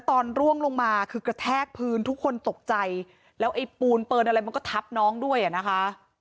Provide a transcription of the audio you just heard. ร่วงลงมาคือกระแทกพื้นทุกคนตกใจแล้วไอ้ปูนปืนอะไรมันก็ทับน้องด้วยอ่ะนะคะ